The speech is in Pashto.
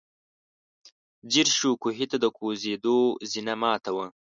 ځير شو، کوهي ته د کوزېدو زينه ماته وه.